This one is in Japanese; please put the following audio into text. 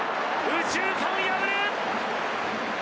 右中間を破る。